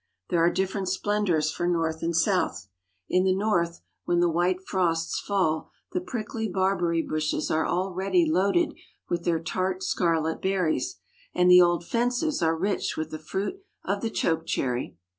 There are different splendors for North and South. In the North, when the white frosts fall the prickly barberry bushes are already loaded with their tart scarlet berries, and the old fences are rich with the fruit of the choke cherry.